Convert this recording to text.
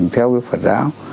theo cái phật giáo